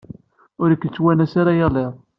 Ur k-yettwanas ara yal iḍ.